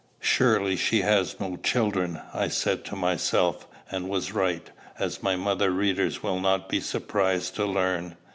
"Surely she has no children!" I said to myself; and was right, as my mother readers will not be surprised to learn.